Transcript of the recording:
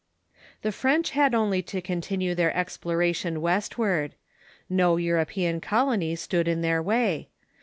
The French had only to continue their exploration west ward. No European colony stood in their way.